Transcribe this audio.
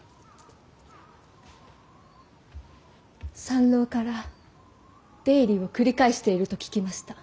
参籠から出入りを繰り返していると聞きました。